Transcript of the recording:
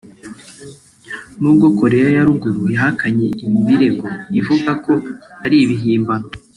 nubwo Koreya ya Ruguru yahakanye ibi birego ivuga ko ari ibihimbano